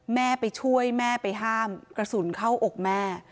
แม่ไปช่วยแม่ไปห้ามกระสุนเข้าอกแม่